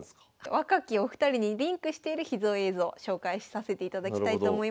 若きお二人にリンクしている秘蔵映像紹介させていただきたいと思います。